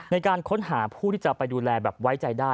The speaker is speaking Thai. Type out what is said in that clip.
ในการค้นหาผู้ที่จะไปดูแลแบบไว้ใจได้